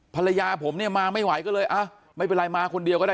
ภรรยาผมเนี่ยมาไม่ไหวก็เลยอ่ะไม่เป็นไรมาคนเดียวก็ได้